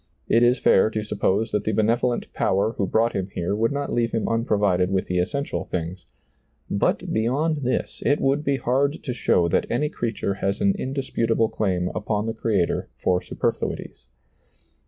It is fair to suppose that the benevolent Power who brought him here would not leave him unprovided with the essential things; but beyond this, it would be hard to show that any creature has an indisputable claim upon the Creator for super fluities.